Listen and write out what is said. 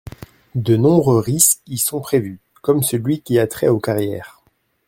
De nombreux risques y sont prévus, comme celui qui a trait aux carrières.